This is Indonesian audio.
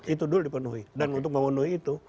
itu dulu dipenuhi dan untuk memenuhi itu